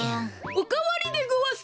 おかわりでごわす！